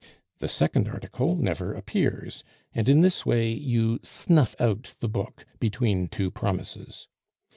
The second article never appears, and in this way you snuff out the book between two promises.